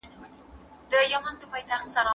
د کندهار په صنعت کي د تولید وخت څنګه تنظیمېږي؟